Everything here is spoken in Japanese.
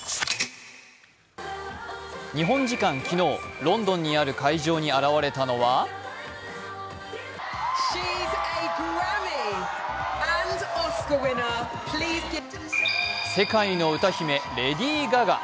日本時間昨日、ロンドンにある会場に現れたのは世界の歌姫、レディー・ガガ。